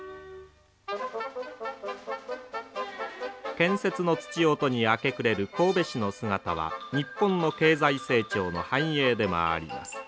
建設のつち音に明け暮れる神戸市の姿は日本の経済成長の反映でもあります。